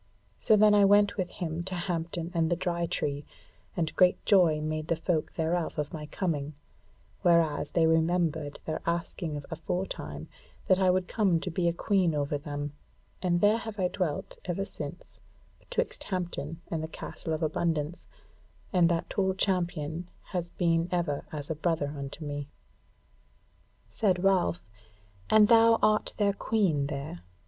So then I went with him to Hampton and the Dry Tree, and great joy made the folk thereof of my coming, whereas they remembered their asking of aforetime that I would come to be a Queen over them, and there have I dwelt ever since betwixt Hampton and the Castle of Abundance; and that tall champion has been ever as a brother unto me." Said Ralph, "And thou art their Queen there?"